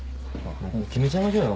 決めちゃいましょうよ